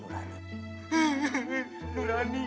sekarang gini sekarang gini sekarang gini